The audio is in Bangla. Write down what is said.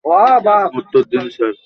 উত্তর দিন স্যার।